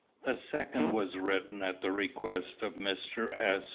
The second was written at the request of Mr. S.